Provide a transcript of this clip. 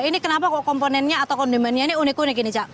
ini kenapa kok komponennya atau kondimennya ini unik unik ini cak